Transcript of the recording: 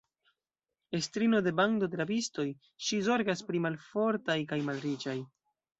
Estrino de bando de rabistoj, Ŝi zorgas pri malfortaj kaj malriĉaj.